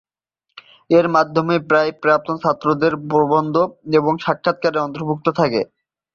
এর মধ্যে প্রায়ই প্রাক্তন ছাত্রদের প্রবন্ধ এবং সাক্ষাৎকার অন্তর্ভুক্ত থাকে।